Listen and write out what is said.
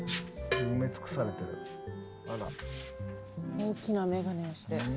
大きな眼鏡をして。